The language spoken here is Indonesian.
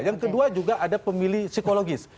yang kedua juga ada pemilih psikologis